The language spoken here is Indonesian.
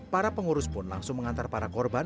para pengurus pun langsung mengantar para korban